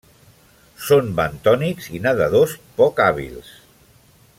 Són bentònics i nedadors poc hàbils.